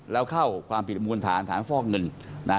แล้วเข้าความผิดมูลฐานฐานฟอกเงิน